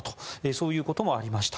そういうこともありました。